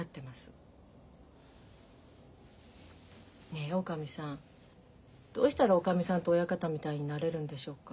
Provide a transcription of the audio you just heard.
ねえおかみさんどうしたらおかみさんと親方みたいになれるんでしょうか？